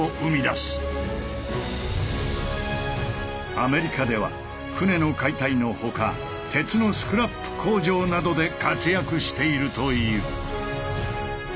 アメリカでは船の解体の他鉄のスクラップ工場などで活躍しているという。